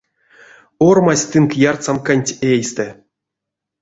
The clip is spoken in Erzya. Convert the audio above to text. Ормась тынк ярсамканть эйстэ.